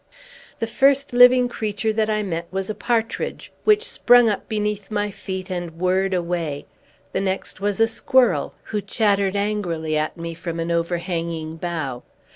The first living creature that I met was a partridge, which sprung up beneath my feet, and whirred away; the next was a squirrel, who chattered angrily at me from an overhanging bough.